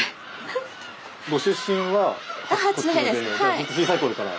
ずっと小さいころから？